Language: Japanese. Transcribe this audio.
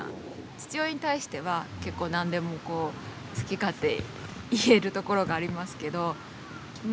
父親に対しては結構何でも好き勝手言えるところがありますけどま